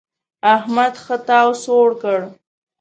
احمد ښه تاو سوړ کړ.